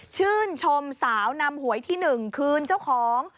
ชื่นชมสาวนำหวยที่๑คืนเจ้าของ